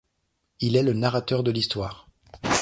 Il est le narrateur de l'histoire.